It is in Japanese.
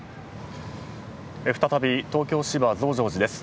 再び、東京・芝増上寺です。